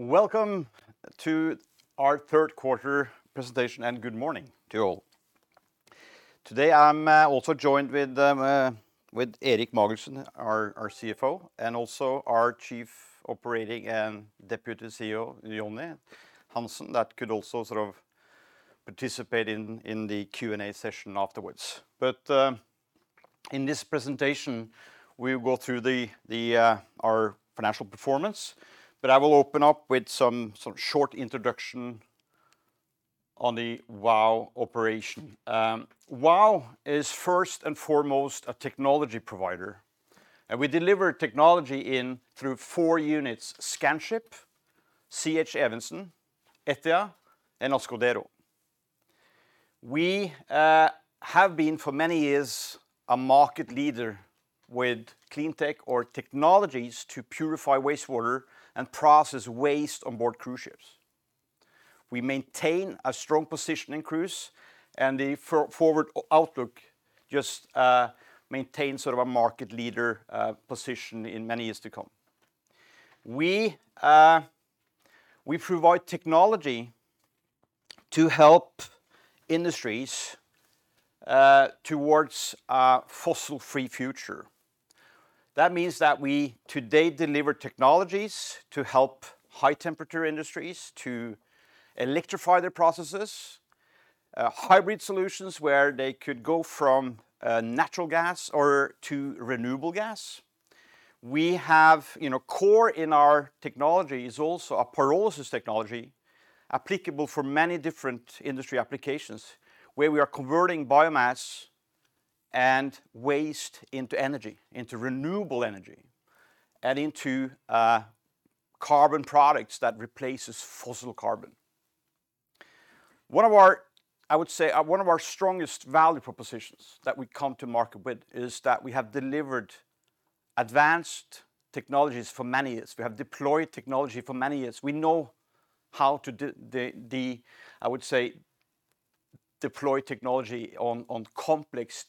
Welcome to our third quarter presentation, and good morning to you all. Today I'm also joined with Erik Magelssen, our CFO, and also our Chief Operating and Deputy CEO, Jonny Hansen, that could also sort of participate in the Q&A session afterwards. In this presentation, we'll go through our financial performance. I will open up with some short introduction on the Vow operation. Vow is first and foremost a technology provider, and we deliver technology in through four units, Scanship, C.H. Evensen, Etia, and Ascodero. We have been for many years a market leader with cleantech technologies to purify wastewater and process waste on board cruise ships. We maintain a strong position in cruise and the forward outlook just maintains sort of a market leader position in many years to come. We provide technology to help industries towards a fossil-free future. That means that we today deliver technologies to help high-temperature industries to electrify their processes, hybrid solutions where they could go from natural gas or to renewable gas. We have, you know, core in our technology is also a pyrolysis technology applicable for many different industry applications, where we are converting biomass and waste into energy, into renewable energy, and into carbon products that replaces fossil carbon. One of our strongest value propositions that we come to market with is that we have delivered advanced technologies for many years. We have deployed technology for many years. We know how to deploy technology on complex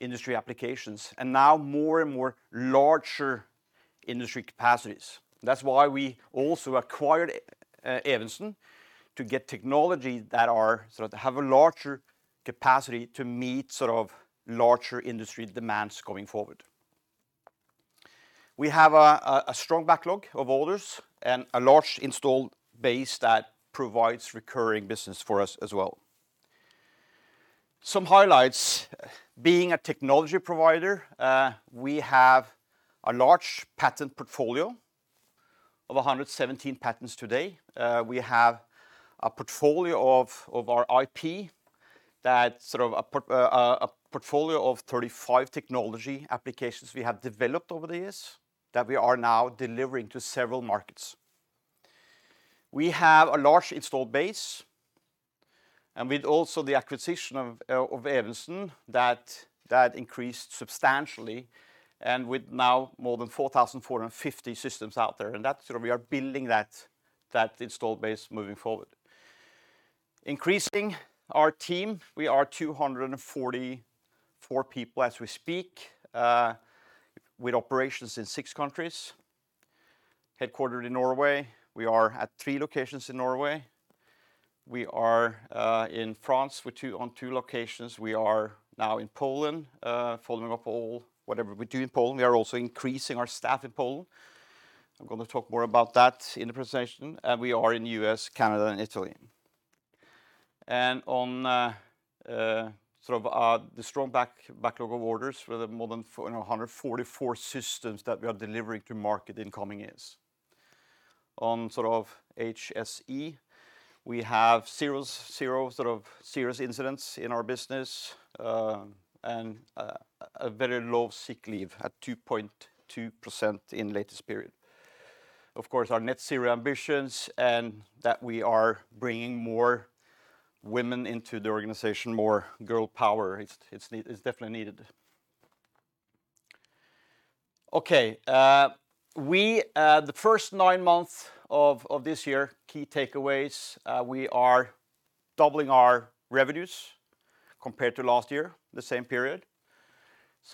industry applications, and now more and more larger industry capacities. That's why we also acquired C.H. Evensen to get technology that are sort of have a larger capacity to meet sort of larger industry demands going forward. We have a strong backlog of orders and a large installed base that provides recurring business for us as well. Some highlights. Being a technology provider, we have a large patent portfolio of 117 patents today. We have a portfolio of our IP that sort of a portfolio of 35 technology applications we have developed over the years that we are now delivering to several markets. We have a large installed base, and with also the acquisition of C.H. Evensen, that increased substantially, and with now more than 4,450 systems out there, and that's where we are building that installed base moving forward. Increasing our team, we are 244 people as we speak, with operations in six countries, headquartered in Norway. We are at three locations in Norway. We are in France with two locations. We are now in Poland, following up all, whatever we do in Poland. We are also increasing our staff in Poland. I'm gonna talk more about that in the presentation, and we are in U.S., Canada and Italy. On sort of the strong backlog of orders with more than 144 systems that we are delivering to market in coming years. On sort of HSE, we have zero serious incidents in our business, and a very low sick leave at 2.2% in latest period. Of course, our net zero ambitions and that we are bringing more women into the organization, more girl power. It's definitely needed. Okay, the first nine months of this year, key takeaways, we are doubling our revenues compared to last year, the same period.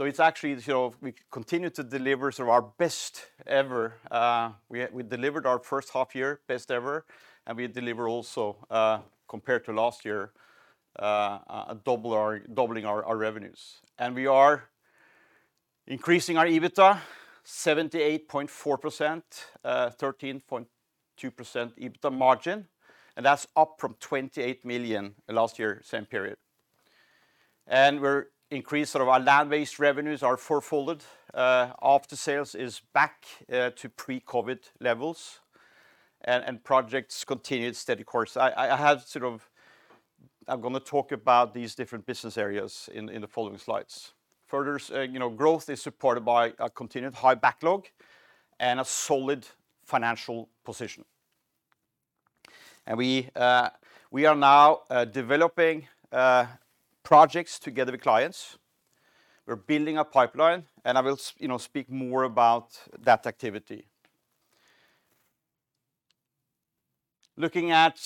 It's actually, you know, we continue to deliver sort of our best ever. We delivered our first half year best ever, and we deliver also compared to last year doubling our revenues. We are increasing our EBITDA 78.4%, 13.2% EBITDA margin, and that's up from 28 million last year same period. We're increased sort of our land-based revenues are four-folded, after sales is back to pre-COVID levels and projects continued steady course. I'm gonna talk about these different business areas in the following slides. Further, you know, growth is supported by a continued high backlog and a solid financial position. We are now developing projects together with clients. We're building a pipeline, and I will, you know, speak more about that activity. Looking at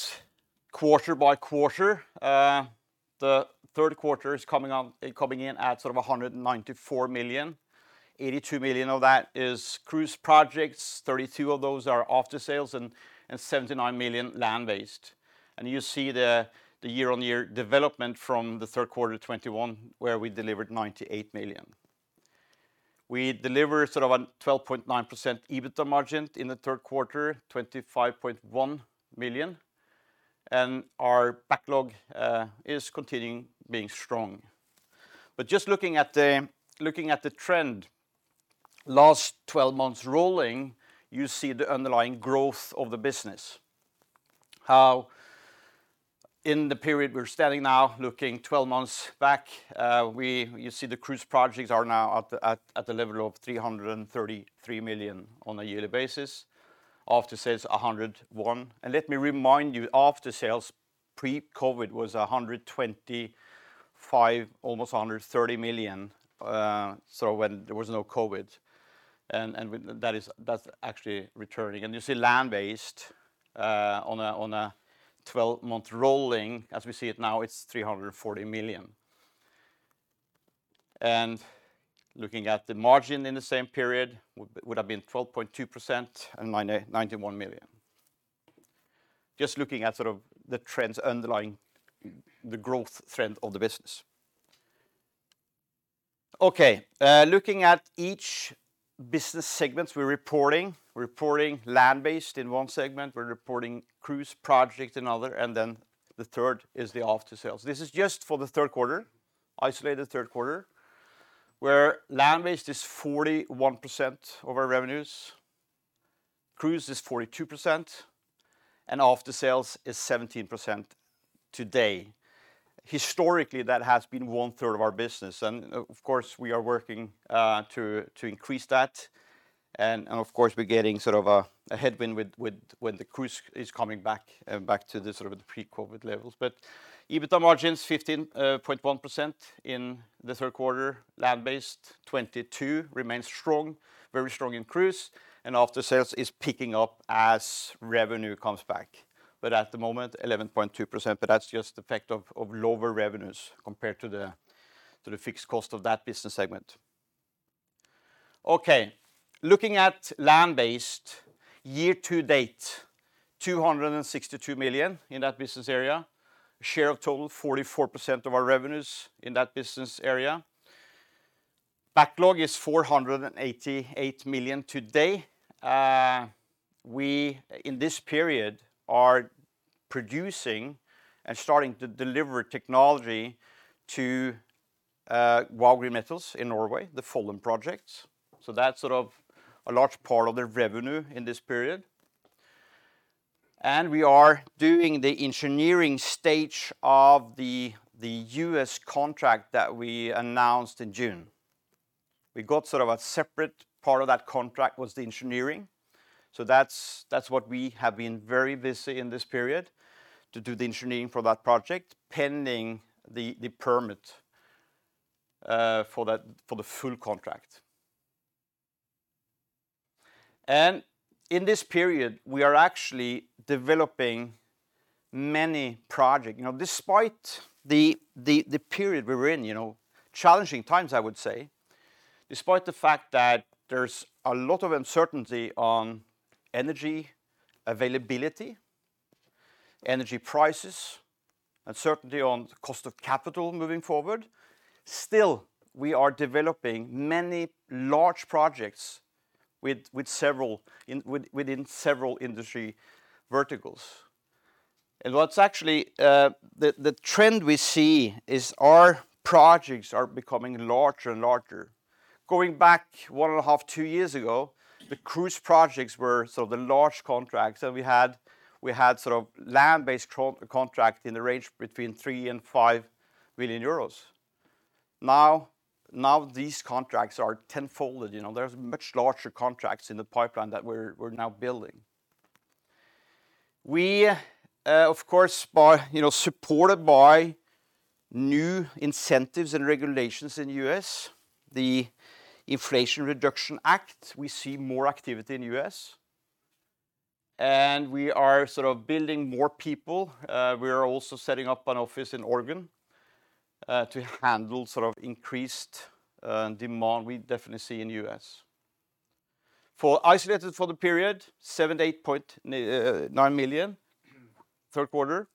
quarter by quarter, the third quarter is coming in at sort of 194 million. 82 million of that is cruise projects, 32 million of those are aftersales and 79 million land-based. You see the year-on-year development from the third quarter 2021, where we delivered 98 million. We deliver sort of a 12.9% EBITDA margin in the third quarter, 25.1 million, and our backlog is continuing to be strong. Just looking at the trend, last twelve months rolling, you see the underlying growth of the business. How in the period we're standing now, looking twelve months back, you see the cruise projects are now at the level of 333 million on a yearly basis. Aftersales, 101 million. Let me remind you, aftersales pre-COVID was 125 million, almost 130 million, so when there was no COVID and with that. That is, that's actually returning. You see landbased, on a twelve-month rolling, as we see it now, it's 340 million. Looking at the margin in the same period would have been 12.2% and 91 million. Just looking at sort of the trends underlying the growth trend of the business. Okay. Looking at each business segments we're reporting. We're reporting landbased in one segment, we're reporting cruise project in other, and then the third is the aftersales. This is just for the third quarter, isolated third quarter, where landbased is 41% of our revenues, cruise is 42%, and aftersales is 17% today. Historically, that has been 1/3 of our business, and, of course, we are working to increase that. And, of course, we're getting sort of a headwind with when the cruise is coming back to the pre-COVID levels. EBITDA margin is 15.1% in the third quarter. Landbased 22% remains strong, very strong in cruise, and aftersales is picking up as revenue comes back. At the moment, 11.2%, but that's just the effect of lower revenues compared to the fixed cost of that business segment. Okay. Looking at landbased year-to-date, 262 million in that business area. Share of total 44% of our revenues in that business area. Backlog is 488 million today. We in this period are producing and starting to deliver technology to Vow Green Metals in Norway, the Follum projects, so that's sort of a large part of their revenue in this period. We are doing the engineering stage of the US contract that we announced in June. We got sort of a separate part of that contract was the engineering. That's what we have been very busy in this period to do the engineering for that project, pending the permit for the full contract. In this period, we are actually developing many projects. You know, despite the period we're in, you know, challenging times, I would say, despite the fact that there's a lot of uncertainty on energy availability, energy prices, uncertainty on the cost of capital moving forward, still, we are developing many large projects with several within several industry verticals. What's actually the trend we see is our projects are becoming larger and larger. Going back 1.5-2 years ago, the cruise projects were sort of the large contracts that we had. We had sort of land-based contract in the range between 3 million and 5 million euros. Now these contracts are tenfolded. You know, there's much larger contracts in the pipeline that we're now building. We, of course, you know, supported by new incentives and regulations in the U.S., the Inflation Reduction Act, we see more activity in the U.S. We are sort of building more people. We are also setting up an office in Oregon to handle sort of increased demand we definitely see in the U.S. For the landbased for the period, 7-8.9 million, third quarter,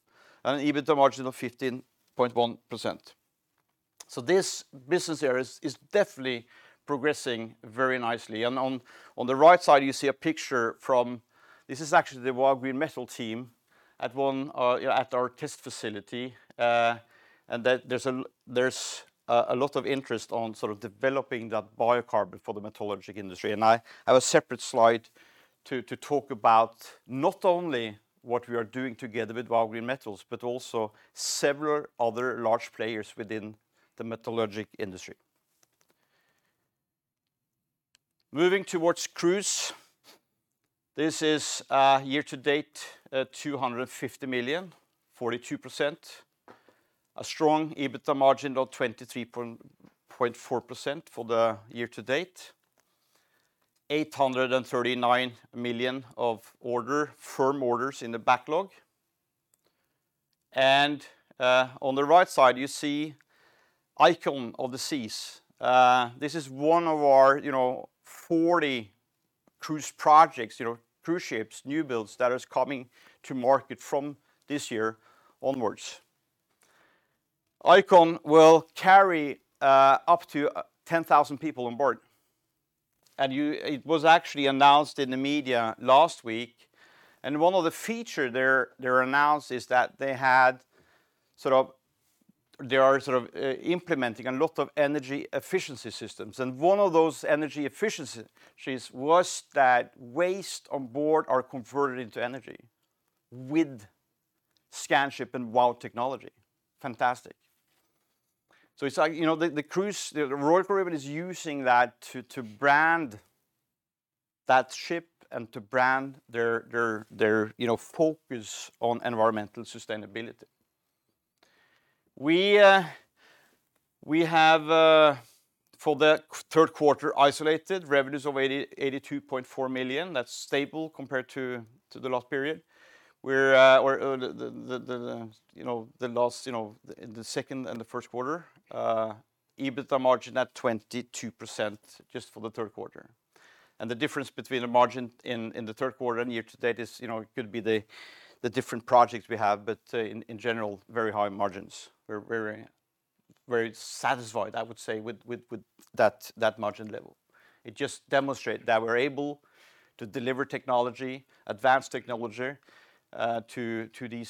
and an EBITDA margin of 15.1%. This business area is definitely progressing very nicely. On the right side, you see a picture from. This is actually the Vow Green Metals team at our test facility. There's a lot of interest on sort of developing that biocarbon for the metallurgical industry. I have a separate slide to talk about not only what we are doing together with Vow Green Metals, but also several other large players within the metallurgical industry. Moving towards cruise. This is year-to-date 250 million, 42%. A strong EBITDA margin of 23.4% for the year-to-date. 839 million of firm orders in the backlog. On the right side, you see Icon of the Seas. This is one of our, you know, 40 cruise projects, you know, cruise ships, new builds that is coming to market from this year onwards. Icon will carry up to 10,000 people on board. It was actually announced in the media last week, and one of the feature they're announced is that they are sort of implementing a lot of energy efficiency systems. One of those energy efficiencies was that waste on board are converted into energy with Scanship and Vow technology. Fantastic. It's like, you know, the cruise, the Royal Caribbean is using that to brand that ship and to brand their focus on environmental sustainability. We have for the third quarter consolidated revenues of 82.4 million. That's stable compared to the last period, where or the last, you know, the second and the first quarter, EBITDA margin at 22% just for the third quarter. The difference between the margin in the third quarter and year-to-date is, you know, it could be the different projects we have, but in general, very high margins. We're very satisfied, I would say, with that margin level. It just demonstrate that we're able to deliver technology, advanced technology to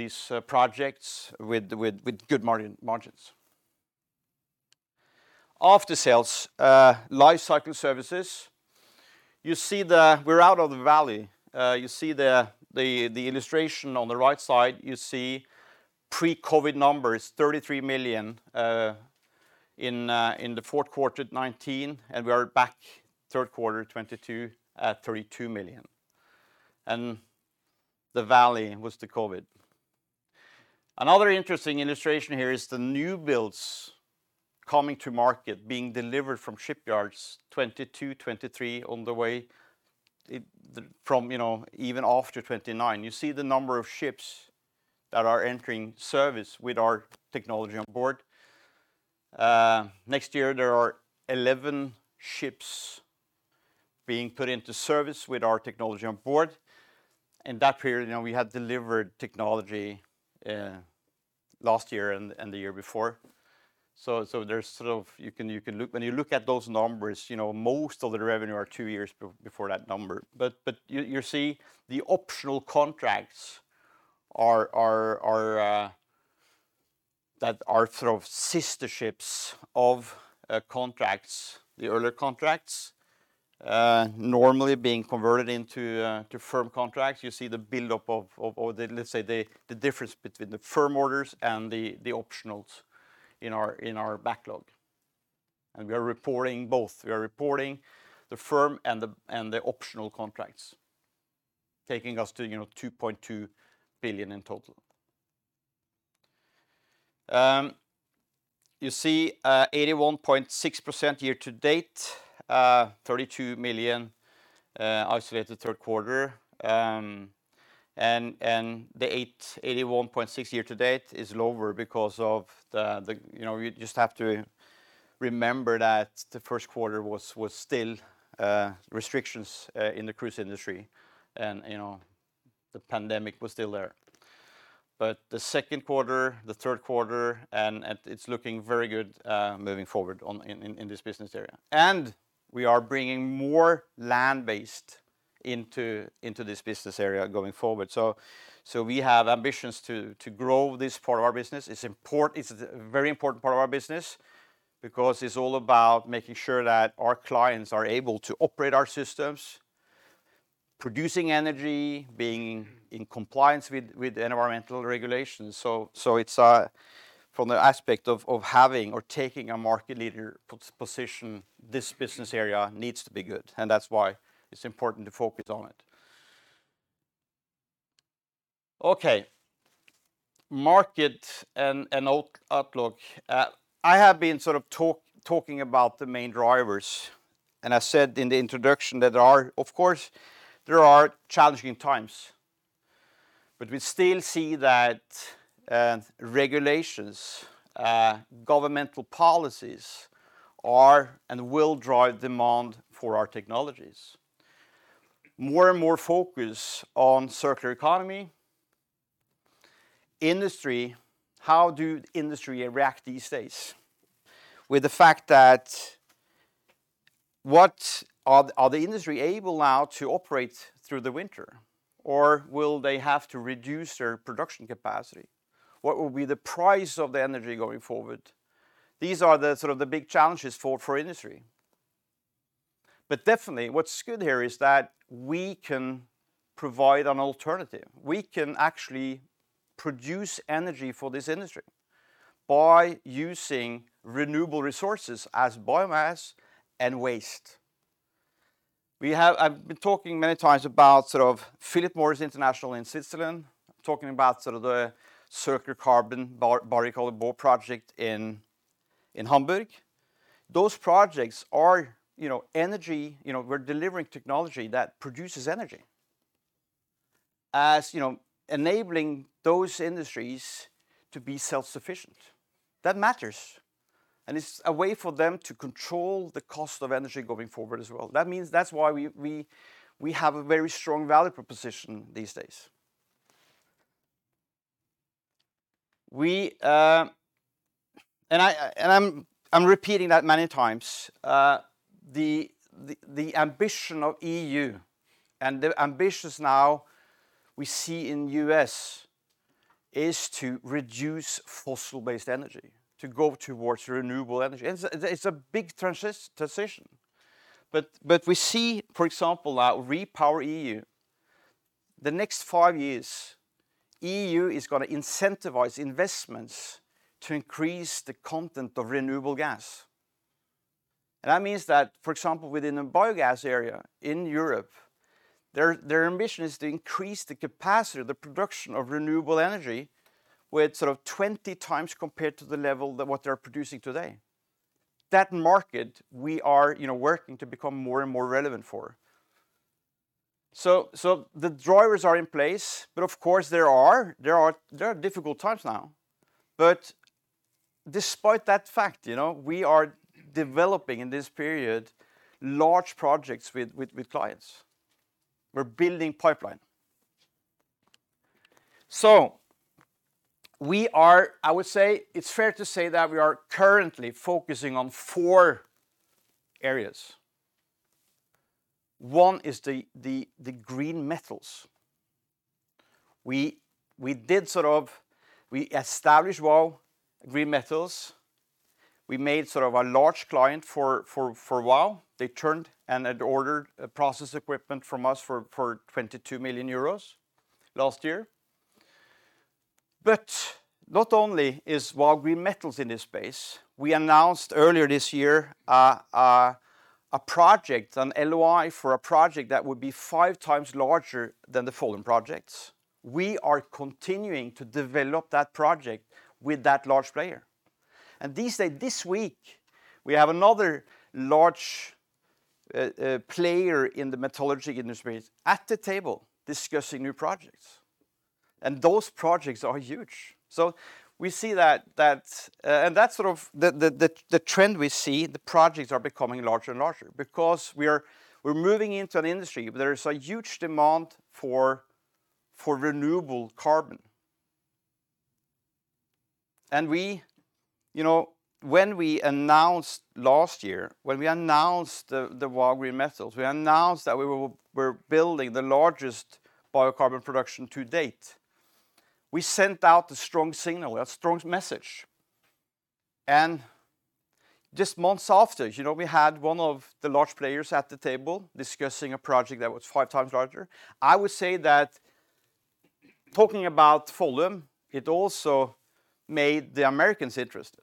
these projects with good margins. After sales, life cycle services, you see the. We're out of the valley. You see the illustration on the right side, you see pre-COVID numbers, 33 million in the fourth quarter of 2019, and we are back third quarter 2022 at 32 million. The valley was the COVID. Another interesting illustration here is the new builds coming to market being delivered from shipyards 2022, 2023 on the way, from, you know, even after 2029. You see the number of ships that are entering service with our technology on board. Next year, there are 11 ships being put into service with our technology on board. In that period, you know, we had delivered technology last year and the year before. There's sort of. You can look when you look at those numbers, you know, most of the revenue are two years before that number. But you see the optional contracts are that are sort of sister ships of contracts, the earlier contracts, normally being converted into to firm contracts. You see the buildup of the difference between the firm orders and the optionals in our backlog. We are reporting both. We are reporting the firm and the optional contracts, taking us to, you know, 2.2 billion in total. You see 81.6% year-to-date, 32 million isolated third quarter. The 81.6% year-to-date is lower because of the, you know, you just have to remember that the first quarter was still restrictions in the cruise industry. You know, the pandemic was still there. The second quarter, the third quarter, and it's looking very good moving forward in this business area. We are bringing more land-based into this business area going forward. We have ambitions to grow this part of our business. It's a very important part of our business because it's all about making sure that our clients are able to operate our systems, producing energy, being in compliance with environmental regulations. It's from the aspect of having or taking a market leader position, this business area needs to be good. That's why it's important to focus on it. Okay. Market and outlook. I have been sort of talking about the main drivers, and I said in the introduction that there are, of course, challenging times, but we still see that regulations, governmental policies are and will drive demand for our technologies. More and more focus on circular economy. How does the industry react these days? Are the industry able now to operate through the winter or will they have to reduce their production capacity? What will be the price of the energy going forward? These are sort of the big challenges for industry. But definitely what's good here is that we can provide an alternative. We can actually produce energy for this industry by using renewable resources as biomass and waste. I've been talking many times about sort of Philip Morris International in Switzerland, talking about sort of the Circular Carbon Barry Callebaut project in Hamburg. Those projects are, you know, energy, you know, we're delivering technology that produces energy. As, you know, enabling those industries to be self-sufficient. That matters, and it's a way for them to control the cost of energy going forward as well. That means that's why we have a very strong value proposition these days. I'm repeating that many times. The ambition of E.U. and the ambitions now we see in U.S. is to reduce fossil-based energy, to go towards renewable energy. It's a big transition. We see, for example, now REPowerEU. The next five years, E.U. is gonna incentivize investments to increase the content of renewable gas. That means that, for example, within the biogas area in Europe, their ambition is to increase the capacity, the production of renewable energy with sort of 20 times compared to the level than what they're producing today. That market we are, you know, working to become more and more relevant for. The drivers are in place, but of course there are difficult times now. Despite that fact, you know, we are developing in this period large projects with clients. We're building pipeline. I would say it's fair to say that we are currently focusing on four areas. One is the green metals. We established Vow Green Metals. We had sort of a large client for a while. They then had ordered process equipment from us for 22 million euros last year. Not only is Vow Green Metals in this space, we announced earlier this year a project, an LOI for a project that would be five times larger than the Follum projects. We are continuing to develop that project with that large player. This week, we have another large player in the metallurgy industry at the table discussing new projects, and those projects are huge. We see that. That's sort of the trend we see. The projects are becoming larger and larger because we're moving into an industry where there is a huge demand for renewable carbon. We, you know, when we announced last year, the Vow Green Metals, we announced that we're building the largest biocarbon production to date. We sent out a strong signal, a strong message. Just months after, you know, we had one of the large players at the table discussing a project that was five times larger. I would say that talking about Follum, it also made the Americans interested.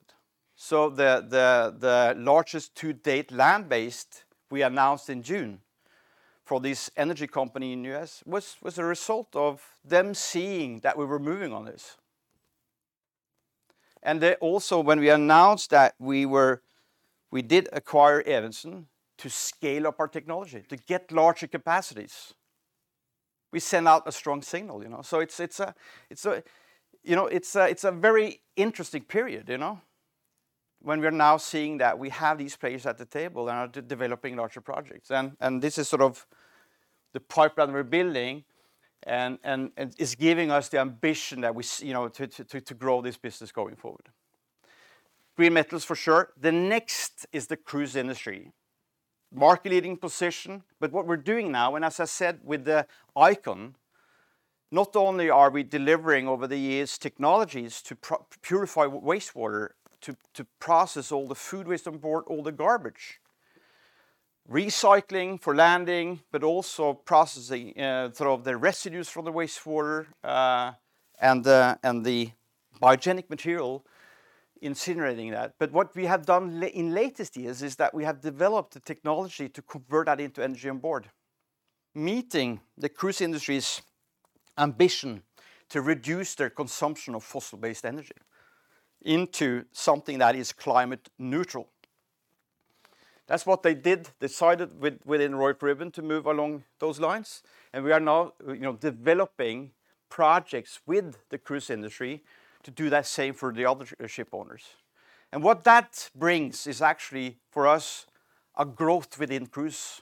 The largest to-date land-based we announced in June for this energy company in U.S. was a result of them seeing that we were moving on this. They also, when we announced that we did acquire C.H. Evensen to scale up our technology to get larger capacities, sent out a strong signal, you know. It's a very interesting period, you know, when we're now seeing that we have these players at the table and are developing larger projects. This is sort of the pipeline we're building and it's giving us the ambition that we see, you know, to grow this business going forward. Green metals for sure. The next is the cruise industry. Market-leading position, but what we're doing now, and as I said with the Icon, not only are we delivering over the years technologies to purify wastewater, to process all the food waste on board, all the garbage, recycling and landfilling, but also processing sort of the residues from the wastewater, and the biogenic material, incinerating that. What we have done in latest years is that we have developed the technology to convert that into energy on board, meeting the cruise industry's ambition to reduce their consumption of fossil-based energy into something that is climate neutral. That's what they decided within Royal Caribbean to move along those lines, and we are now, you know, developing projects with the cruise industry to do that same for the other ship owners. What that brings is actually for us a growth within cruise.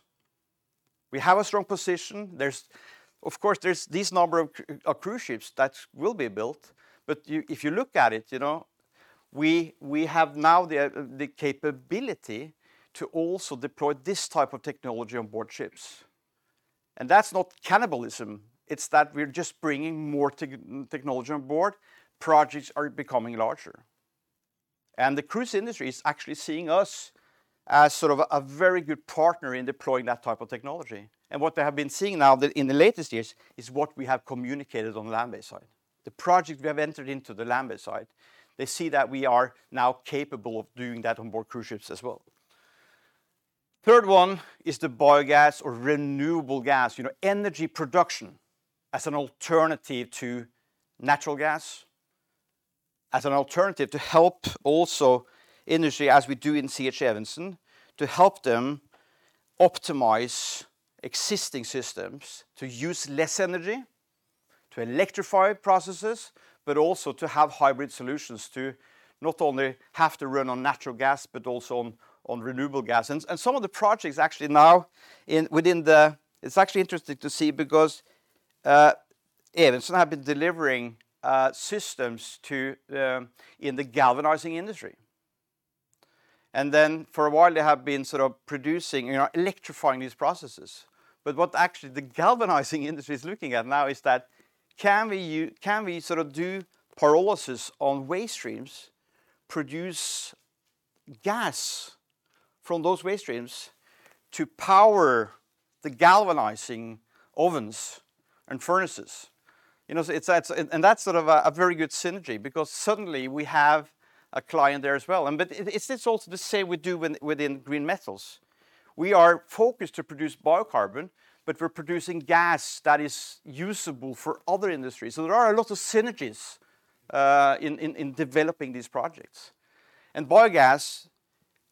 We have a strong position. There's, of course, this number of cruise ships that will be built. If you look at it, you know, we have now the capability to also deploy this type of technology on board ships. That's not cannibalism. It's that we're just bringing more technology on board. Projects are becoming larger. The cruise industry is actually seeing us as sort of a very good partner in deploying that type of technology. What they have been seeing now in the latest years is what we have communicated on the land-based side. The project we have entered into, the Follum site, they see that we are now capable of doing that on board cruise ships as well. Third one is the biogas or renewable gas, you know, energy production as an alternative to natural gas, as an alternative to help also industry as we do in C.H. Evensen to help them optimize existing systems to use less energy, to electrify processes, but also to have hybrid solutions to not only have to run on natural gas, but also on renewable gases. Some of the projects actually now. It's actually interesting to see because Evensen have been delivering systems to the galvanizing industry. For a while they have been sort of pursuing, you know, electrifying these processes. What actually the galvanizing industry is looking at now is that can we sort of do pyrolysis on waste streams, produce gas from those waste streams to power the galvanizing ovens and furnaces? You know, so it's that. That's sort of a very good synergy because suddenly we have a client there as well. But it's also the same we do within green metals. We are focused to produce biocarbon, but we're producing gas that is usable for other industries. There are a lot of synergies in developing these projects. Biogas,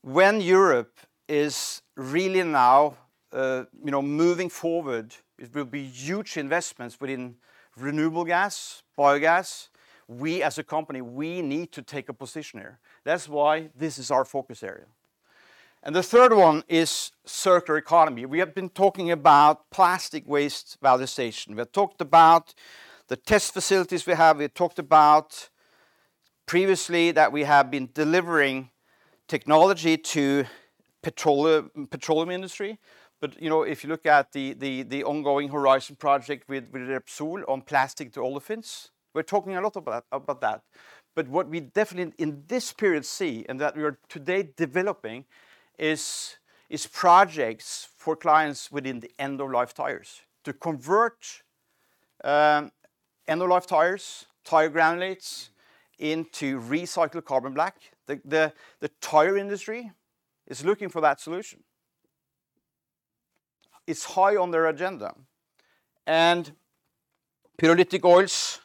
when Europe is really now, you know, moving forward, it will be huge investments within renewable gas, biogas. We as a company, we need to take a position there. That's why this is our focus area. The third one is circular economy. We have been talking about plastic waste valorization. We have talked about the test facilities we have. We talked about previously that we have been delivering technology to petroleum industry. you know, if you look at the ongoing Horizon project with Repsol on plastic to olefins, we're talking a lot about that. What we definitely in this period see and that we are today developing is projects for clients within the end-of-life tires to convert end-of-life tires, tire granulates into recycled carbon black. The tire industry is looking for that solution. It's high on their agenda. Pyrolytic oils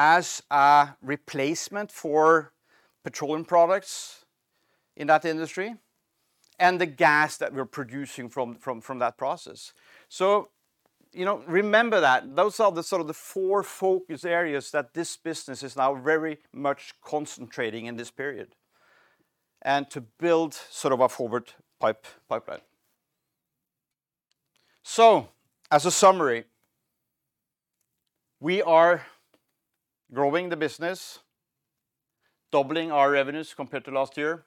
as a replacement for petroleum products in that industry and the gas that we're producing from that process. You know, remember that those are the sort of the four focus areas that this business is now very much concentrating in this period, and to build sort of a forward pipeline. As a summary, we are growing the business, doubling our revenues compared to last year.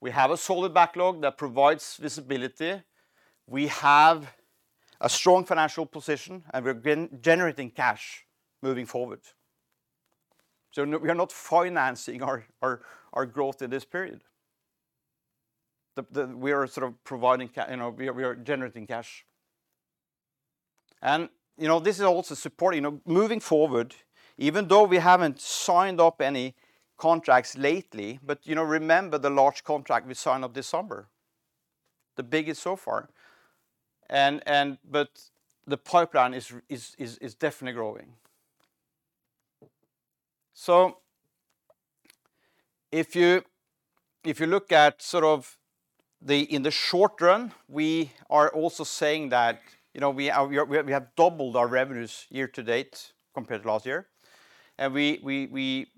We have a solid backlog that provides visibility. We have a strong financial position, and we've been generating cash moving forward. We are not financing our growth in this period. You know, we are generating cash. You know, this is also supporting moving forward, even though we haven't signed up any contracts lately. You know, remember the large contract we signed up this summer, the biggest so far. The pipeline is definitely growing. If you look at sort of in the short run, we are also saying that, you know, we have doubled our revenues year-to-date compared to last year. We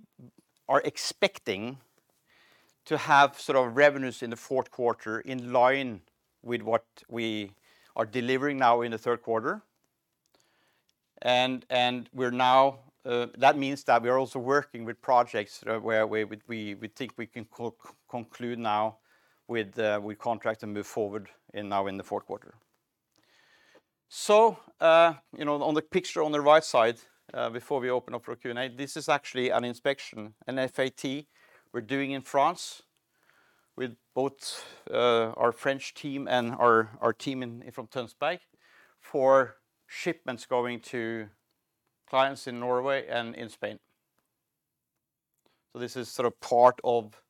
are expecting to have sort of revenues in the fourth quarter in line with what we are delivering now in the third quarter. We're now, that means that we are also working with projects where we think we can conclude now with contract and move forward now in the fourth quarter. You know, on the picture on the right side, before we open up for Q&A, this is actually an inspection, an FAT we're doing in France with both our French team and our team from Tønsberg for shipments going to clients in Norway and in Spain. This is sort of part of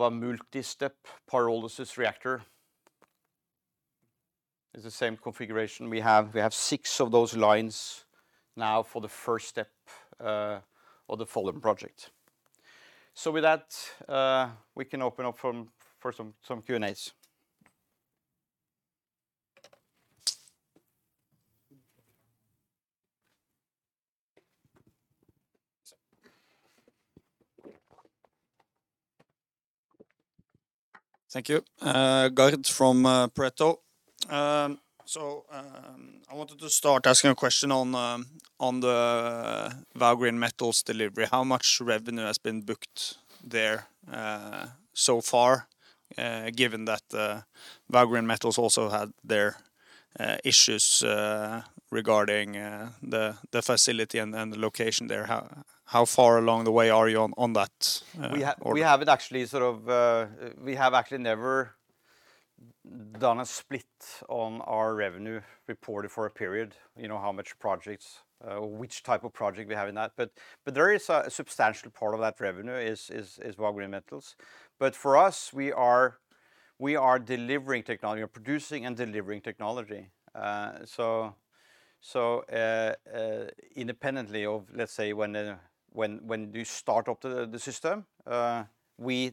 a multi-step pyrolysis reactor. It's the same configuration we have. We have six of those lines now for the first step of the Follum project. With that, we can open up for some Q&As. Thank you. Gard from Pareto. I wanted to start asking a question on the Vow Green Metals delivery. How much revenue has been booked there so far, given that Vow Green Metals also had their issues regarding the facility and then the location there? How far along the way are you on that order? We have actually never done a split on our revenue reported for a period, you know, how much projects, which type of project we have in that. There is a substantial part of that revenue is Vow Green Metals. For us, we are delivering technology. We're producing and delivering technology. Independently of, let's say when you start up the system,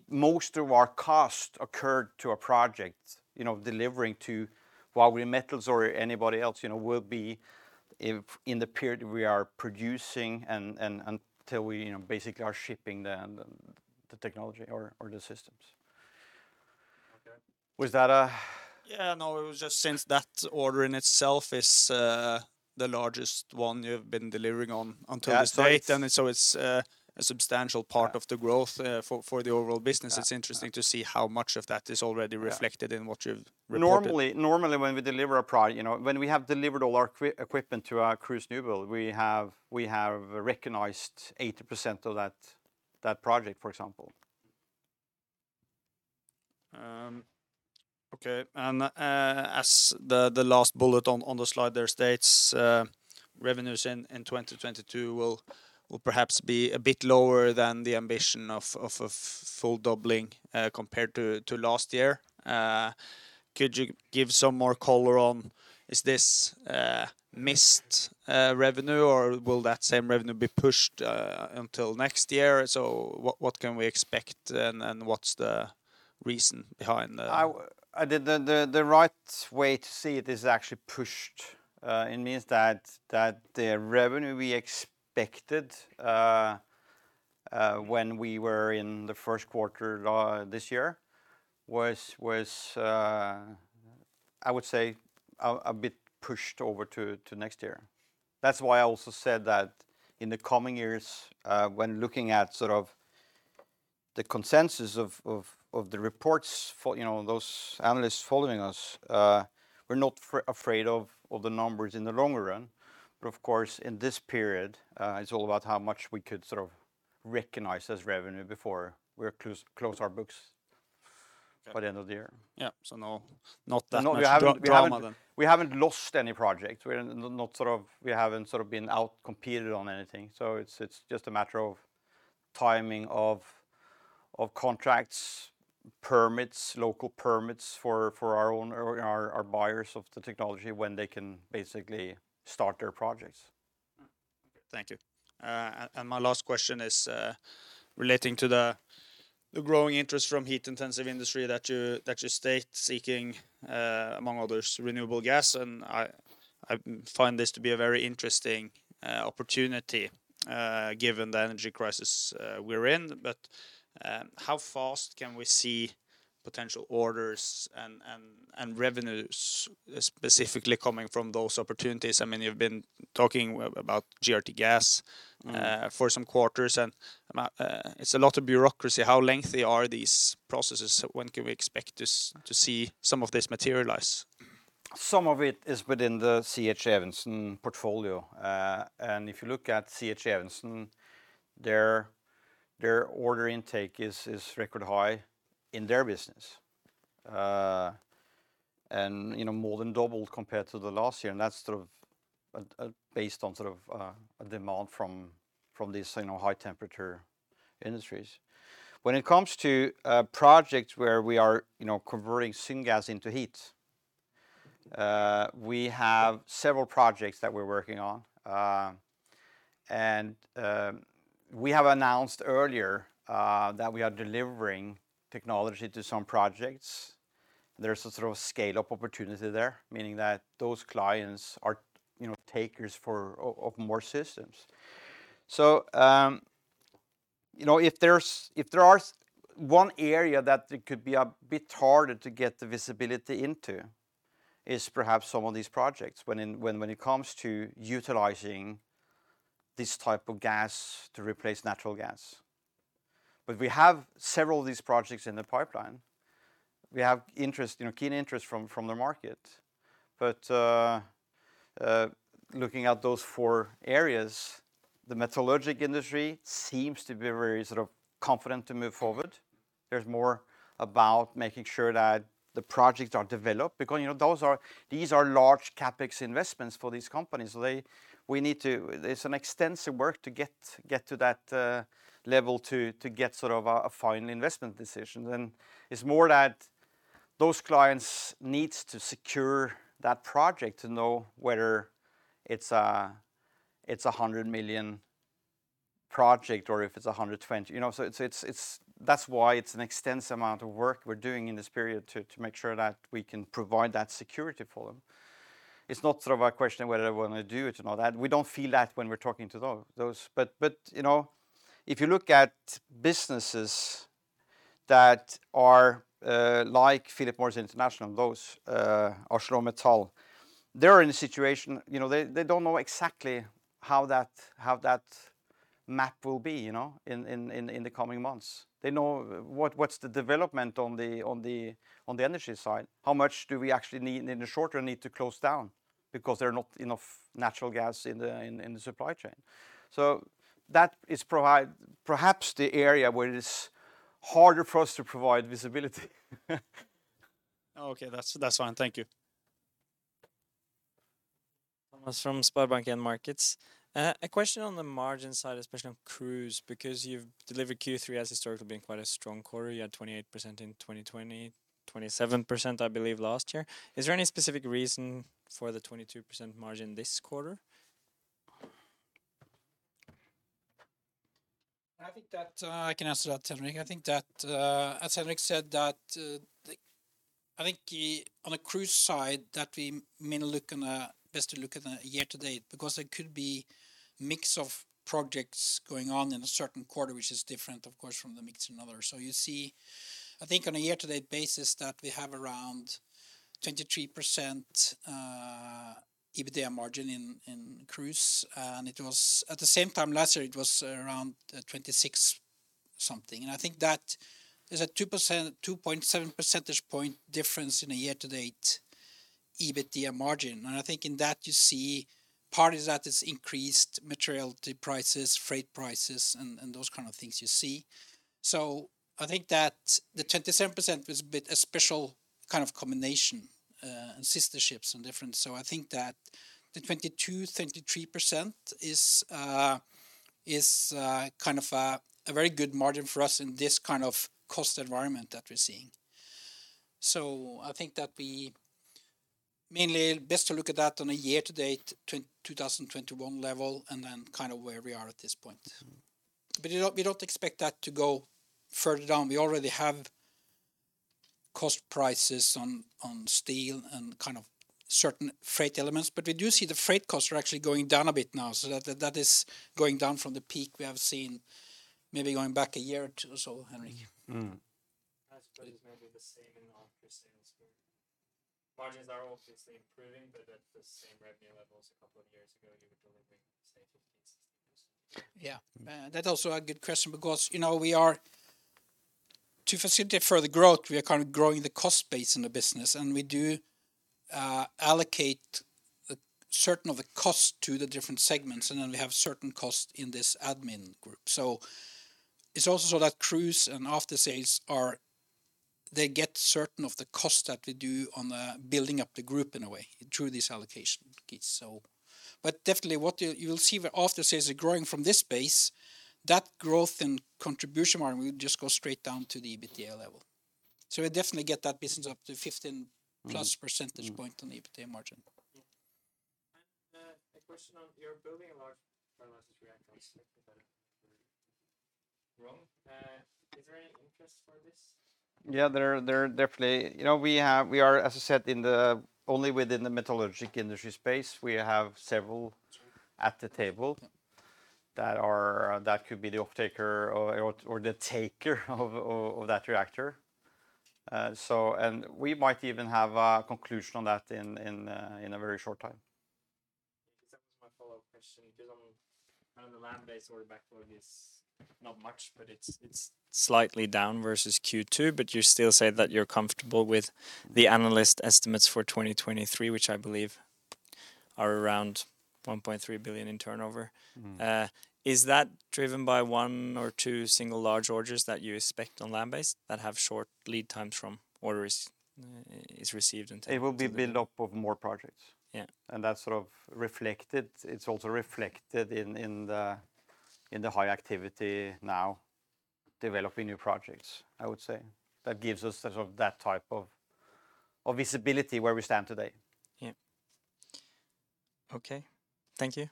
most of our costs incurred on a project, you know, delivering to Vow Green Metals or anybody else, you know, will be incurred in the period we are producing and until we, you know, basically are shipping the technology or the systems. Okay. Was that a- Yeah, no, it was just since that order in itself is the largest one you've been delivering on. Yeah until this date, and so it's a substantial part. Yeah... of the growth, for the overall business. Yeah. Yeah. It's interesting to see how much of that is already reflected. Yeah in what you've reported. Normally when we have delivered all our equipment to our cruise new build, we have recognized 80% of that project, for example. As the last bullet on the slide there states, revenues in 2022 will perhaps be a bit lower than the ambition of full doubling, compared to last year. Could you give some more color on is this missed revenue, or will that same revenue be pushed until next year? What can we expect and what's the reason behind the The right way to see it is actually pushed. It means that the revenue we expected when we were in the first quarter this year was I would say a bit pushed over to next year. That's why I also said that in the coming years when looking at sort of the consensus of the reports you know those analysts following us we're not afraid of the numbers in the longer run. Of course in this period it's all about how much we could sort of recognize as revenue before we close our books. Okay by the end of the year. Yeah. No, not that much drama then. No, we haven't lost any projects. We haven't sort of been outcompeted on anything. It's just a matter of timing of contracts, permits, local permits for our own or our buyers of the technology when they can basically start their projects. Okay. Thank you. My last question is relating to the growing interest from heat-intensive industry that you state seeking, among others, renewable gas, and I find this to be a very interesting opportunity, given the energy crisis we're in. How fast can we see potential orders and revenues specifically coming from those opportunities? I mean, you've been talking about GRTgaz. Mm For some quarters, it's a lot of bureaucracy. How lengthy are these processes? When can we expect to see some of this materialize? Some of it is within the C.H. Evensen portfolio. If you look at C.H. Evensen, their order intake is record high in their business, more than doubled compared to the last year, and that's sort of based on sort of a demand from these high temperature industries. When it comes to projects where we are converting syngas into heat, we have several projects that we're working on. We have announced earlier that we are delivering technology to some projects. There's a sort of scale-up opportunity there, meaning that those clients are takers of more systems. So if there's... If there are one area that it could be a bit harder to get the visibility into is perhaps some of these projects when it comes to utilizing this type of gas to replace natural gas. We have several of these projects in the pipeline. We have interest, you know, keen interest from the market. Looking at those four areas, the metallurgical industry seems to be very sort of confident to move forward. There's more about making sure that the projects are developed because, you know, these are large CapEx investments for these companies. There's some extensive work to get to that level to get sort of a final investment decision. It's more that those clients needs to secure that project to know whether it's a 100 million project or if it's 120 million. You know? It's an extensive amount of work we're doing in this period to make sure that we can provide that security for them. It's not sort of a question of whether they wanna do it or not. We don't feel that when we're talking to those. You know, if you look at businesses that are like Philip Morris International, ArcelorMittal, they're in a situation, you know, they don't know exactly how that map will be, you know, in the coming months. They know what's the development on the energy side. How much do we actually need in the short term to close down because there are not enough natural gas in the supply chain? That is perhaps the area where it is harder for us to provide visibility. Okay. That's fine. Thank you. Thomas from SpareBank 1 Markets. A question on the margin side, especially on Cruise, because you've delivered Q3 as historically being quite a strong quarter. You had 28% in 2020, 27% I believe last year. Is there any specific reason for the 22% margin this quarter? I think that I can answer that, Henrik. I think that as Henrik said, I think on the Cruise side that we mainly look on best to look at the year-to-date, because it could be mix of projects going on in a certain quarter, which is different of course from the mix in other. You see, I think on a year-to-date basis that we have around 23% EBITDA margin in Cruise, and it was at the same time last year it was around 26%. I think that is a 2.7 percentage point difference in a year-to-date EBITDA margin. I think in that you see part of that is increased material prices, freight prices, and those kind of things you see. I think that the 27% was a bit special kind of combination, and sister ships and different. I think that the 22%-23% is kind of a very good margin for us in this kind of cost environment that we're seeing. I think that we may as well look at that on a year-to-date 2021 level, and then kind of where we are at this point. But we don't expect that to go further down. We already have cost prices on steel and kind of certain freight elements, but we do see the freight costs are actually going down a bit now, so that is going down from the peak we have seen maybe going back a year or two, Henrik. Mm. I suppose it may be the same in aftersales where margins are obviously improving, but at the same revenue levels a couple of years ago, you were delivering say 15-16 years. Yeah. That's also a good question because, you know, we are to facilitate further growth, we are kind of growing the cost base in the business, and we do allocate a certain of the cost to the different segments, and then we have certain costs in this admin group. It's also that Cruise and aftersales they get certain of the cost that they do on building up the group in a way through this allocation gate. But definitely what you'll see aftersales are growing from this base, that growth in contribution margin will just go straight down to the EBITDA level. We definitely get that business up to 15+ percentage point on the EBITDA margin. Yeah. A question on you're building a large pyrolysis reactor. Is there any interest for this? Yeah, there definitely. You know, we are, as I said, only within the metallurgical industry space. We have several at the table that are that could be the off-taker or the taker of that reactor. So, and we might even have a conclusion on that in a very short time. Yeah, 'cause that was my follow-up question, because on the land-based order backlog is not much, but it's slightly down versus Q2, but you still say that you're comfortable with the analyst estimates for 2023, which I believe are around 1.3 billion in turnover. Mm-hmm. Is that driven by one or two single large orders that you expect on land-based that have short lead times from orders? It will be built up of more projects. Yeah. That's sort of reflected. It's also reflected in the high activity now developing new projects, I would say. That gives us sort of that type of visibility where we stand today. Yeah. Okay. Thank you.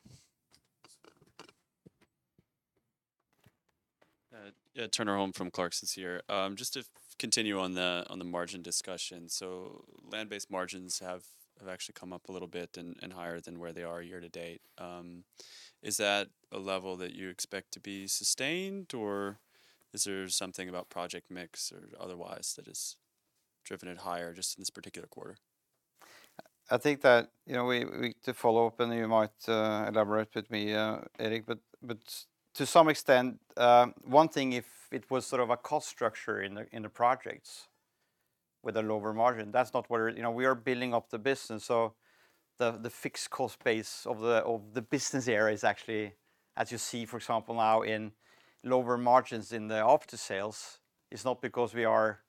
Turner Holm from Clarksons here. Just to continue on the margin discussion. Landbased margins have actually come up a little bit and higher than where they are year-to-date. Is that a level that you expect to be sustained, or is there something about project mix or otherwise that has driven it higher just in this particular quarter? I think that, you know, to follow up, you might elaborate with me, Erik, but to some extent, one thing if it was sort of a cost structure in the projects with a lower margin, that's not where. You know, we are building up the business, so the fixed cost base of the business area is actually, as you see, for example now in lower margins in the aftersales, is not because we are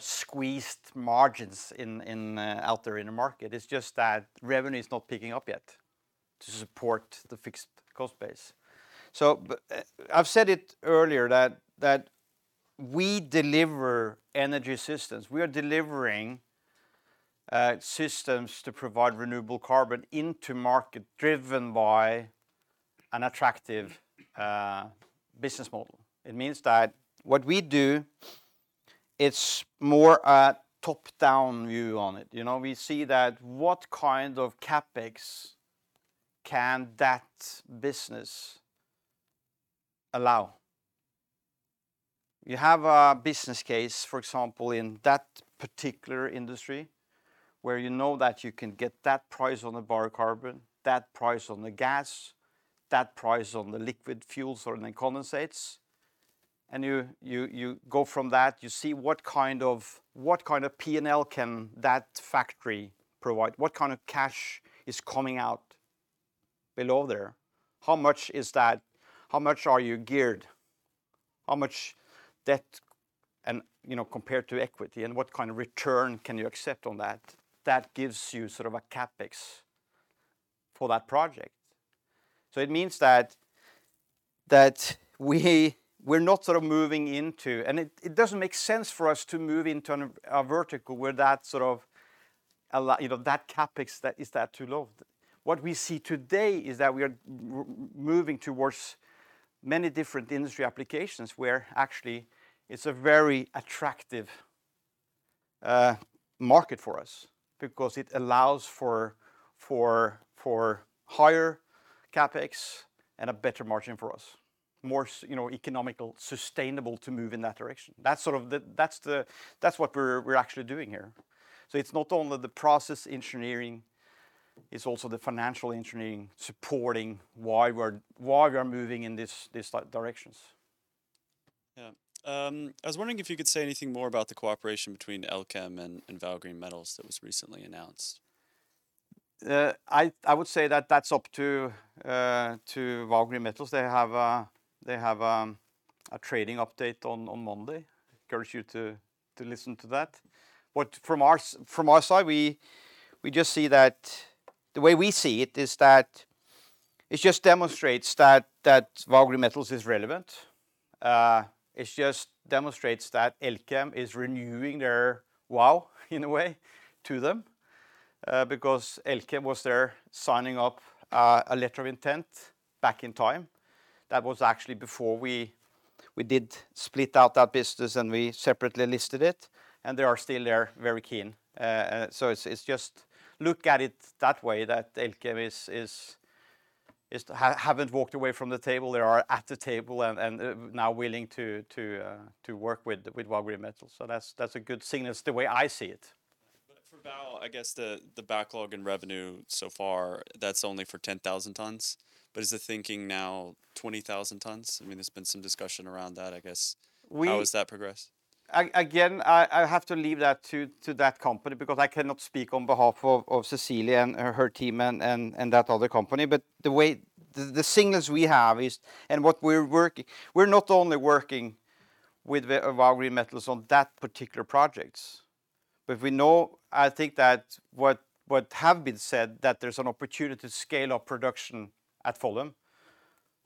squeezing margins out there in the market. It's just that revenue is not picking up yet to support the fixed cost base. So, I've said it earlier that we deliver energy systems. We are delivering systems to provide renewable carbon into market driven by an attractive business model. It means that what we do, it's more a top-down view on it. You know, we see that what kind of CapEx can that business allow? You have a business case, for example, in that particular industry where you know that you can get that price on the biocarbon, that price on the gas, that price on the liquid fuels or the condensates, and you go from that. You see what kind of P&L can that factory provide? What kind of cash is coming out below there. How much is that? How much are you geared? How much debt and, you know, compared to equity, and what kind of return can you accept on that? That gives you sort of a CapEx for that project. It means that we're not sort of moving into... It doesn't make sense for us to move into a vertical where that sort of allow you know that CapEx that is too low. What we see today is that we are moving towards many different industry applications where actually it's a very attractive market for us because it allows for higher CapEx and a better margin for us. More so you know economical sustainable to move in that direction. That's what we're actually doing here. It's not only the process engineering, it's also the financial engineering supporting why we are moving in these directions. Yeah. I was wondering if you could say anything more about the cooperation between Elkem and Vow Green Metals that was recently announced. I would say that that's up to Vow Green Metals. They have a trading update on Monday. Encourage you to listen to that. But from our side, we just see that the way we see it is that it just demonstrates that Vow Green Metals is relevant. It just demonstrates that Elkem is renewing their Vow, in a way, to them, because Elkem was there signing up a letter of intent back in time. That was actually before we did split out that business and we separately listed it, and they are still there, very keen. It's just look at it that way, that Elkem hasn't walked away from the table. They are at the table now willing to work with Vow Green Metals. That's a good signal. It's the way I see it. For Vow, I guess the backlog in revenue so far, that's only for 10,000 tons. Is the thinking now 20,000 tons? I mean, there's been some discussion around that, I guess. We- How has that progressed? Again, I have to leave that to that company because I cannot speak on behalf of Cecilie and her team and that other company. The way the signals we have is and what we're working, we're not only working with Vow Green Metals on that particular projects. We know, I think that what have been said that there's an opportunity to scale up production at Follum.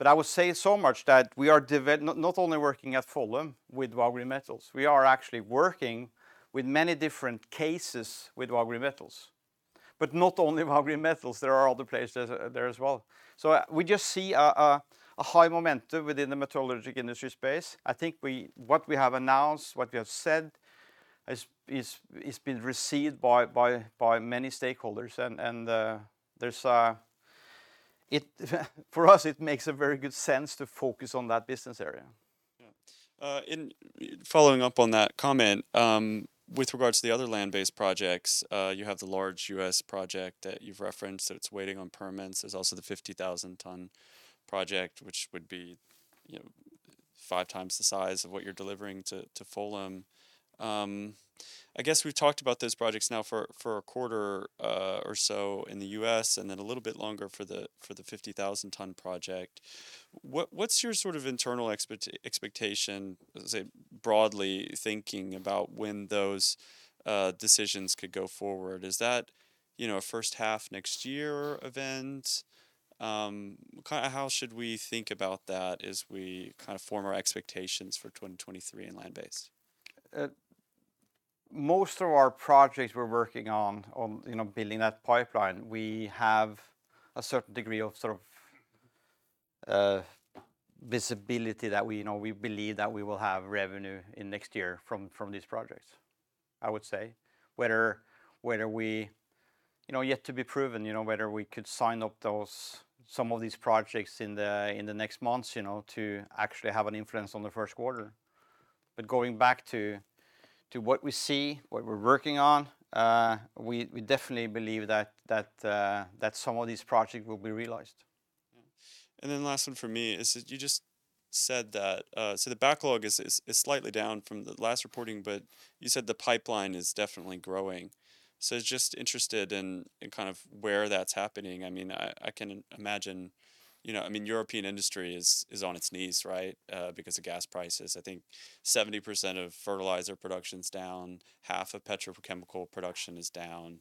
I will say so much that we are not only working at Follum with Vow Green Metals, we are actually working with many different cases with Vow Green Metals. Not only Vow Green Metals, there are other players there as well. We just see a high momentum within the metallurgical industry space. I think what we have announced, what we have said is being received by many stakeholders and there's it, for us, it makes a very good sense to focus on that business area. Yeah. Following up on that comment, with regards to the other land-based projects, you have the large U.S. project that you've referenced that it's waiting on permits. There's also the 50,000 ton project, which would be, you know, five times the size of what you're delivering to Follum. I guess we've talked about those projects now for a quarter or so in the U.S., and then a little bit longer for the 50,000 ton project. What's your sort of internal expectation, let's say, broadly thinking about when those decisions could go forward? Is that, you know, a first half next year event? How should we think about that as we kind of form our expectations for 2023 in land-based? Most of our projects we're working on, you know, building that pipeline, we have a certain degree of sort of visibility that we know, we believe that we will have revenue in next year from these projects, I would say. Whether yet to be proven, you know, whether we could sign up some of these projects in the next months, you know, to actually have an influence on the first quarter. Going back to what we see, what we're working on, we definitely believe that some of these projects will be realized. Last one from me is that you just said that, so the backlog is slightly down from the last reporting, but you said the pipeline is definitely growing. Just interested in kind of where that's happening. I mean, I can imagine. I mean, European industry is on its knees, right? Because of gas prices. I think 70% of fertilizer production's down, half of petrochemical production is down.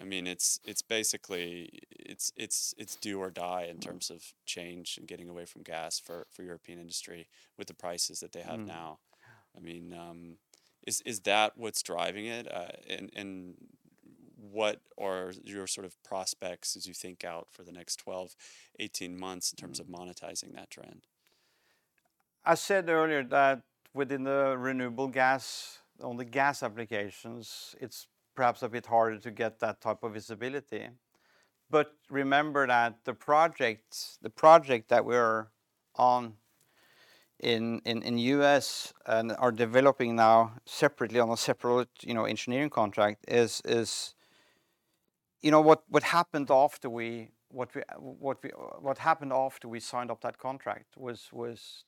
I mean, it's basically do or die in terms of change and getting away from gas for European industry with the prices that they have now. Yeah. I mean, is that what's driving it? What are your sort of prospects as you think out for the next 12-18 months in terms of monetizing that trend? I said earlier that within the renewable gas, on the gas applications, it's perhaps a bit harder to get that type of visibility. Remember that the projects, the project that we're on in U.S. and are developing now separately, on a separate engineering contract is. What happened after we signed up that contract was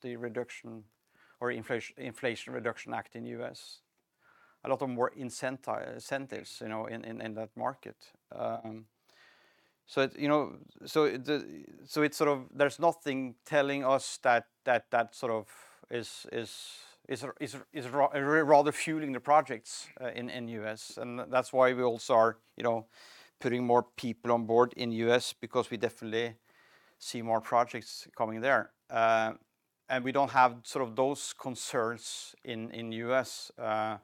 the reduction or Inflation Reduction Act in U.S. A lot of more incentives in that market. So it's sort of there's nothing telling us that sort of is rather fueling the projects in U.S. That's why we also are putting more people on board in U.S. because we definitely see more projects coming there. We don't have sort of those concerns in the U.S. I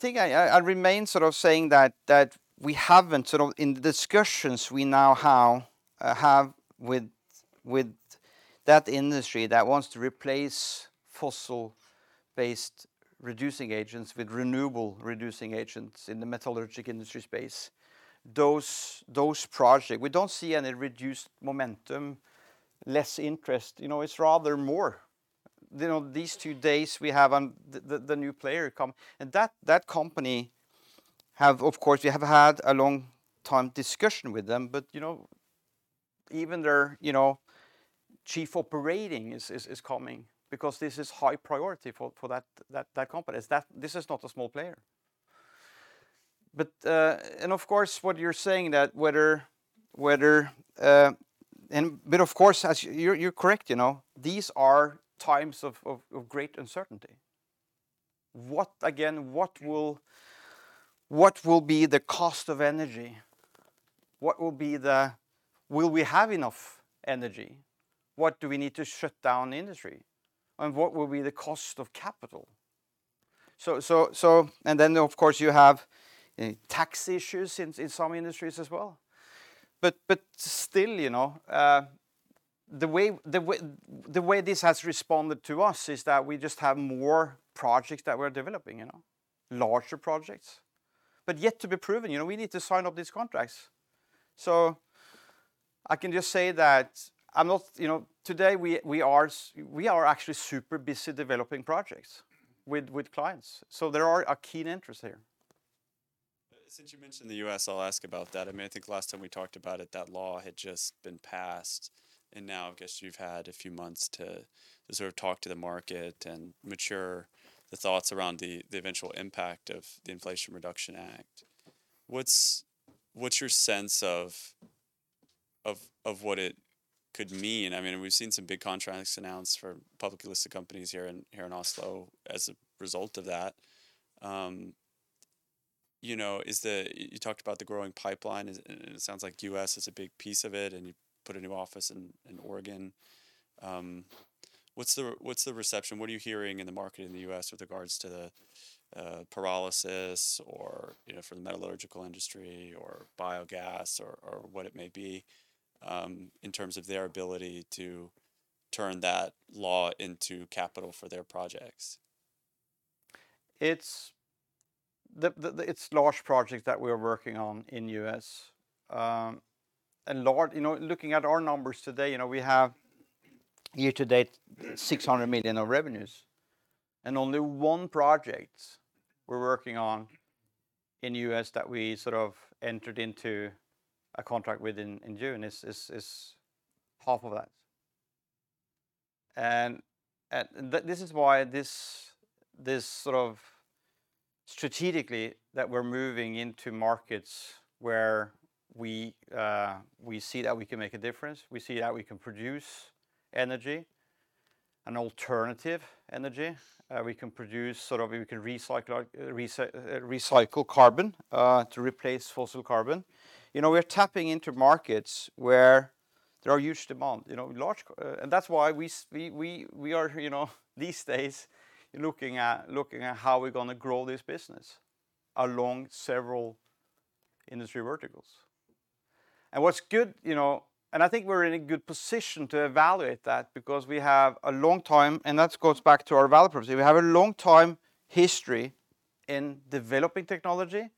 think I remain sort of saying that we haven't sort of in the discussions we now have with that industry that wants to replace fossil-based reducing agents with renewable reducing agents in the metallurgical industry space, those projects, we don't see any reduced momentum, less interest, you know, it's rather more. You know, these two days we have the new player come. That company have of course we have had a long time discussion with them, but, you know, even their Chief Operating Officer is coming because this is high priority for that company. i.e., that this is not a small player. Of course what you're saying that whether. Of course as you're correct, you know, these are times of great uncertainty. What will be the cost of energy? Will we have enough energy? What do we need to shut down the industry? What will be the cost of capital? Of course you have tax issues in some industries as well. Still, you know, the way this has responded to us is that we just have more projects that we're developing, you know. Larger projects. Yet to be proven, you know, we need to sign up these contracts. I can just say that I'm not. You know, today we are actually super busy developing projects with clients. There is keen interest here. Since you mentioned the U.S., I'll ask about that. I mean, I think last time we talked about it, that law had just been passed, and now I guess you've had a few months to sort of talk to the market and mature the thoughts around the eventual impact of the Inflation Reduction Act. What's your sense of what it could mean? I mean, we've seen some big contracts announced for publicly listed companies here in Oslo as a result of that. You know, you talked about the growing pipeline and it sounds like U.S. is a big piece of it, and you put a new office in Oregon. What's the reception? What are you hearing in the market in the U.S. with regards to the pyrolysis or, you know, for the metallurgical industry or biogas or what it may be in terms of their ability to turn that law into capital for their projects? It's large projects that we're working on in U.S. A lot, you know, looking at our numbers today, you know, we have year-to-date 600 million of revenues, and only one project we're working on in U.S. that we sort of entered into a contract with in June is half of that. This is why this sort of strategically that we're moving into markets where we see that we can make a difference. We see how we can produce energy, an alternative energy. We can produce sort of, we can recycle carbon to replace fossil carbon. You know, we're tapping into markets where there are huge demand, you know, large. That's why we are, you know, these days looking at how we're gonna grow this business along several industry verticals. What's good, you know, and I think we're in a good position to evaluate that because we have a long time, and that goes back to our developers. We have a long time history in developing technology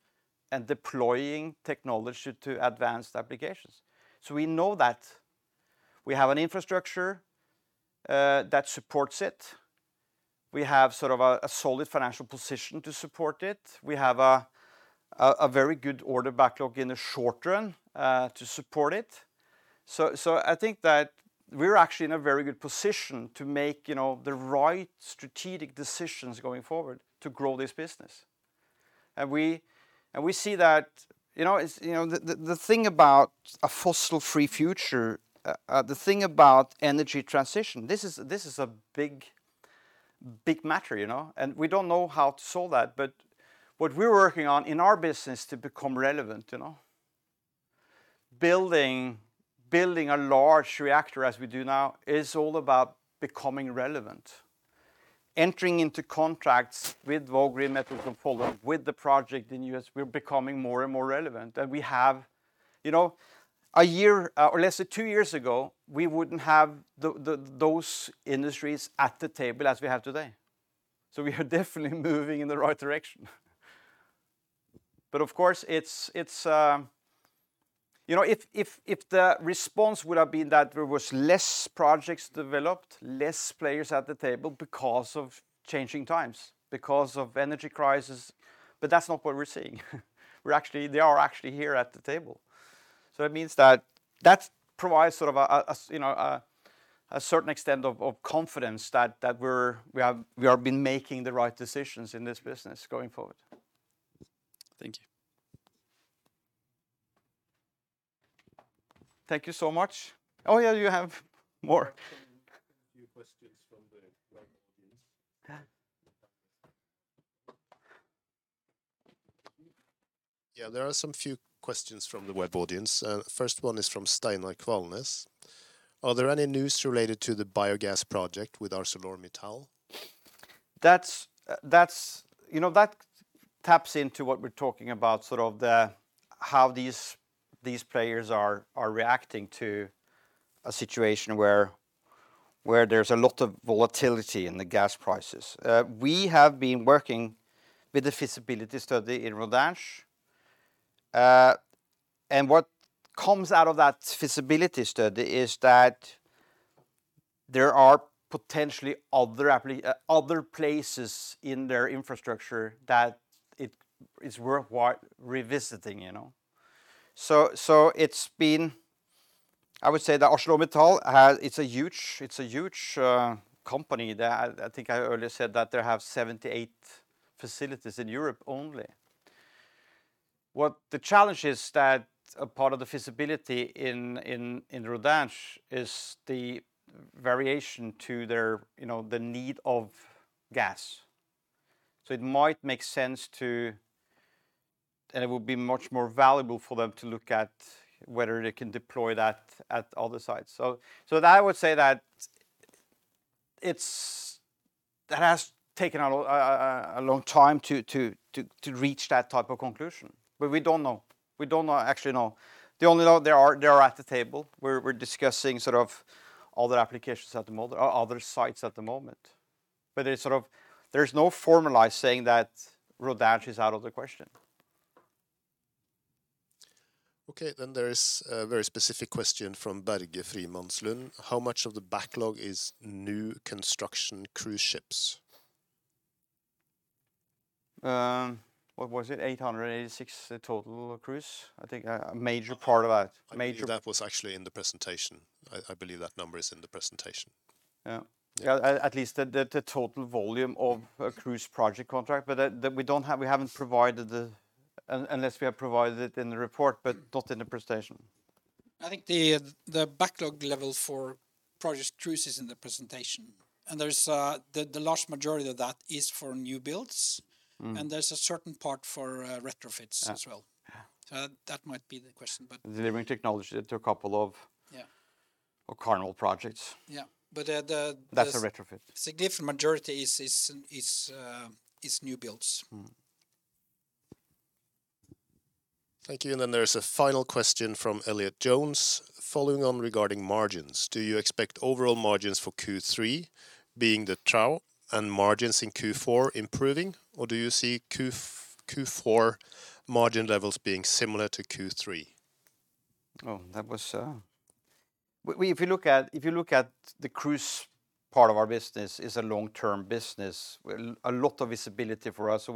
and deploying technology to advanced applications. We know that we have an infrastructure that supports it. We have sort of a very good order backlog in the short run to support it. I think that we're actually in a very good position to make, you know, the right strategic decisions going forward to grow this business. We see that, you know, it's, you know, the thing about a fossil-free future, the thing about energy transition, this is a big matter, you know. We don't know how to solve that, but what we're working on in our business to become relevant, you know. Building a large reactor as we do now is all about becoming relevant. Entering into contracts with Vow Green Metals in Follum, with the project in U.S., we're becoming more and more relevant. We have, you know, a year or less than two years ago, we wouldn't have those industries at the table as we have today. We are definitely moving in the right direction. Of course it's. You know, if the response would have been that there was less projects developed, less players at the table because of changing times, because of energy crisis, but that's not what we're seeing. They are actually here at the table. It means that provides sort of a you know a certain extent of confidence that we have been making the right decisions in this business going forward. Thank you. Thank you so much. Oh, yeah, you have more. Few questions from the web audience. Yeah. Yeah, there are some few questions from the web audience. First one is from Steinar Kvalnes. Are there any news related to the biogas project with ArcelorMittal? That taps into what we're talking about, sort of how these players are reacting to a situation where there's a lot of volatility in the gas prices. We have been working with the feasibility study in Rodange, and what comes out of that feasibility study is that there are potentially other places in their infrastructure that it is worthwhile revisiting, you know? It's been, I would say ArcelorMittal has. It's a huge company that I think I earlier said that they have 78 facilities in Europe only. What the challenge is that a part of the feasibility in Rodange is the variation to their, you know, the need of gas. It might make sense to. It would be much more valuable for them to look at whether they can deploy that at other sites. That I would say that it's that has taken a long time to reach that type of conclusion. We don't know. We don't actually know. The only know they are at the table. We're discussing sort of other applications at the moment. Other sites at the moment. It's sort of, there's no formalized saying that Rodange is out of the question. Okay. There is a very specific question from Børge Grønbech-Frimanslund. How much of the backlog is new construction cruise ships? What was it? 886, the total cruise. I think a major part of that. I believe that was actually in the presentation. I believe that number is in the presentation. Yeah. Yeah. Yeah. At least the total volume of a cruise project contract, but that we don't have. We haven't provided it unless we have provided it in the report, but not in the presentation. I think the backlog level for projects, cruise is in the presentation, and there's the large majority of that is for new builds. Mm. There's a certain part for retrofits. Yeah as well. Yeah. That might be the question. Delivering technology to a couple of. Yeah of Carnival projects. Yeah. That's a retrofit. significant majority is new builds. Mm-hmm. Thank you. There's a final question from Elliott Jones. Following on regarding margins, do you expect overall margins for Q3 being the trough and margins in Q4 improving, or do you see Q4 margin levels being similar to Q3? If you look at the cruise part of our business is a long-term business. Well, a lot of visibility for us.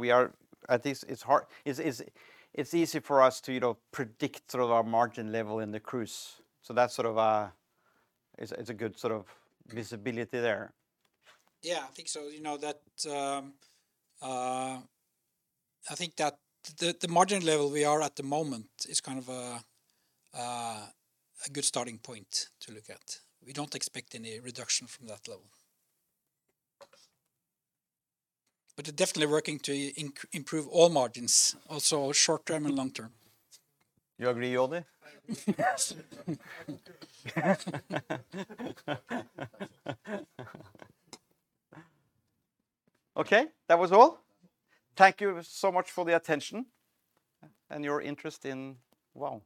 It's easy for us to, you know, predict sort of our margin level in the cruise. It's a good sort of visibility there. Yeah. I think so. You know, that I think that the margin level we are at the moment is kind of a good starting point to look at. We don't expect any reduction from that level. They're definitely working to improve all margins, also short-term and long-term. You agree, Jordi? I agree. Yes. Okay. That was all. Thank you so much for the attention and your interest in Vow.